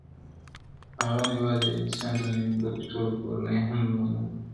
هغه نه يوازي يو انسان زيانمنوي بلکي ټوله کورنۍ هم له منځه وړي-